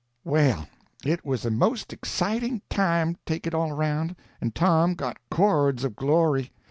Well, it was a most exciting time, take it all around, and Tom got cords of glory.